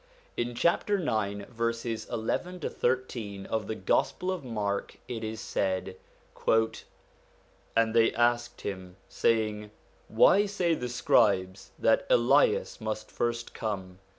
In chapter 9, verses 11 13, of the Gospel of Mark, it is said :' And they asked him, saying, Why say the scribes that Elias must first come